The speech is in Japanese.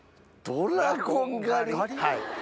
ドラゴン狩り？